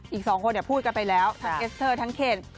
อีก๒คนพูดกันไปแล้วทั้งเอสเตอร์ทั้งเคน